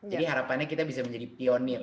jadi harapannya kita bisa menjadi pionir